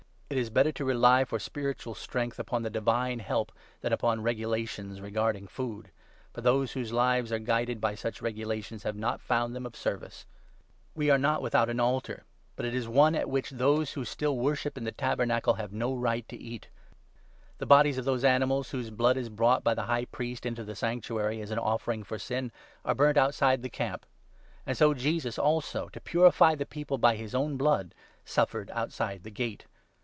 It is better to rely for spiritual strength upon the divine help, than upon regu lations regarding food ; for those whose lives are guided by such regulations have not found them of service. We ic are not without an altar ; but it is one at which those who still worship in the Tabernacle have no right to eat. The n bodies of those animals whose blood is brought by the High Priest into the Sanctuary, as an offering for sin, are burnt outside the camp. And so Jesus, also, to purify the People by u his own blood, suffered outside the gate.